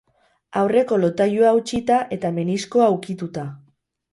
Aurreko lotailua hautsita eta meniskoa ukituta.